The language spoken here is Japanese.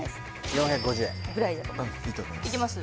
４５０円いいと思いますいきます？